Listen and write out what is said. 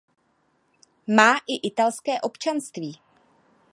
Má i italské občanství.